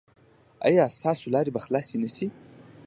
ایا ستاسو لارې به خلاصې نه شي؟